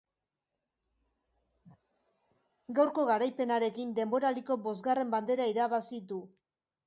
Gaurko garaipenarekin, denboraldiko bosgarren bandera irabazi du.